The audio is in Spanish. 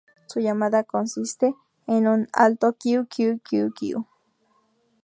Su llamada consiste en un alto kiw-kiw-kiw-kiw.